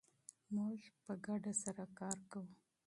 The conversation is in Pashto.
موږ په ګډه سره کار کوو.